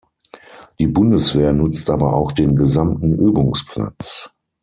Die Bundeswehr nutzt aber auch den gesamten Übungsplatz.